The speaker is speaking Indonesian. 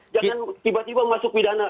jangan tiba tiba masuk pidana